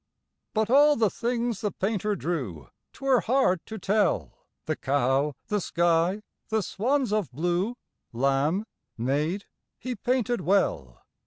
But all the things the painter drew 'Twere hard to tell The cow, the sky, the swans of blue, Lamb, maid, he painted well.